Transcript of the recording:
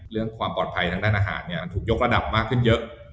เรื่องความปลอดภัยทางด้านอาหารเนี่ยมันถูกยกระดับมากขึ้นเยอะ